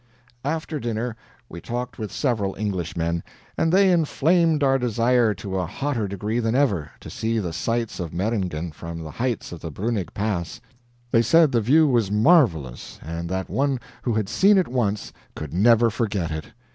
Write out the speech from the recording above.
After dinner we talked with several Englishmen, and they inflamed our desire to a hotter degree than ever, to see the sights of Meiringen from the heights of the Bruenig Pass. They said the view was marvelous, and that one who had seen it once could never forget it.